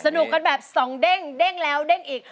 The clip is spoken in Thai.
สนุกกันแบบสองเด้งเด้งแล้วเด้งอีก